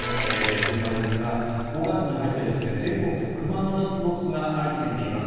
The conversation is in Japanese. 心配ですが５月に入って、全国で熊の出没が相次いでいます。